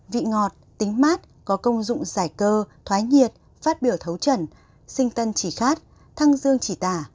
vị ngọt tính mát có công dụng giải cơ thoái nhiệt phát biểu thấu trần sinh tân chỉ khát thăng dương chỉ tà